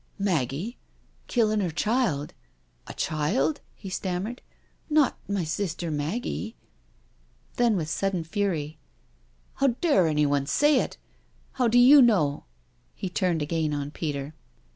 " Maggie? Killing her child? A child?" he stam mered. "Not my sister Maggie?" Then with sudden A CRUSHED BUTTERFLY 249 fury: How dare anyone say it I How do you know?" He turned again on Peter.